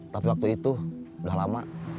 tapi waktu itu udah lama